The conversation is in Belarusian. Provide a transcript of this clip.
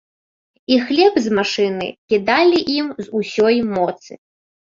І хлеб з машыны кідалі ім з усёй моцы.